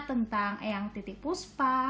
tentang eyang titik puspa